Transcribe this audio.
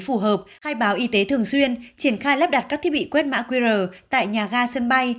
phù hợp khai báo y tế thường xuyên triển khai lắp đặt các thiết bị quét mã qr tại nhà ga sân bay